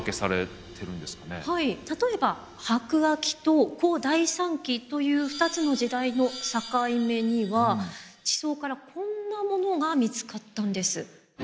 はい例えば白亜紀と古第三紀という２つの時代の境目には地層からこんなものが見つかったんです。